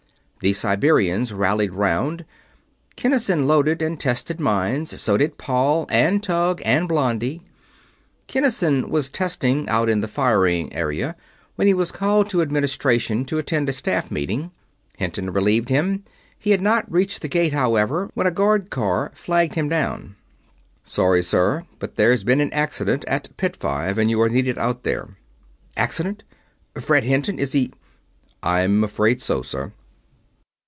The Siberians rallied round. Kinnison loaded and tested mines. So did Paul and Tug and Blondie. Kinnison was testing, out in the Firing Area, when he was called to Administration to attend a Staff Meeting. Hinton relieved him. He had not reached the gate, however, when a guard car flagged him down. "Sorry, sir, but there has been an accident at Pit Five and you are needed out there." "Accident! Fred Hinton! Is he...?" "I'm afraid so, sir."